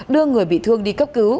đưa người bị thương đi cấp cứu